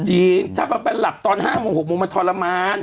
จริงถ้าไปหลับตอน๕โมง๖โมงมันทรมาน